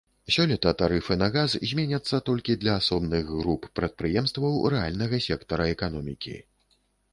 Сёлета тарыфы на газ зменяцца толькі для асобных груп прадпрыемстваў рэальнага сектара эканомікі.